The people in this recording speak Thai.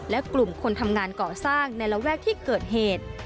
และกลุ่มคนทำงานก่อสร้างในระแวกที่เกิดเหตุ